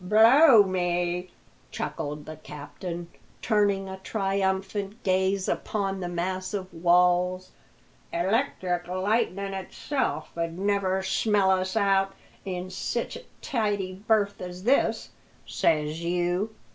"Blow me!" chuckled the captain, turning a triumphant gaze upon the massive walls, "electric lightnin' itself ud never smell us out in sich a tidy berth as this, says you."